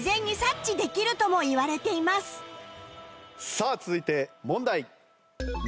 さあ続いて問題。